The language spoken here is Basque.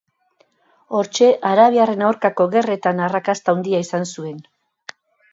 Hortxe Arabiarren aurkako gerratan arrakasta handia izan zuen.